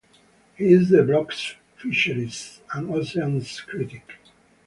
He is the Bloc's Fisheries and Oceans critic.